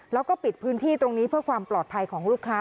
แล้วก็ปิดพื้นที่ตรงนี้เพื่อความปลอดภัยของลูกค้า